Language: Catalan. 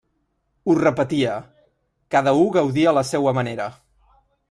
Ho repetia: cada u gaudia a la seua manera.